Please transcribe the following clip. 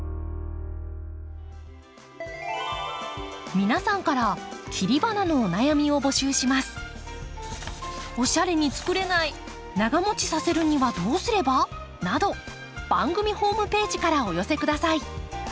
皆さんから切り花のお悩みを募集します。など番組ホームページからお寄せください。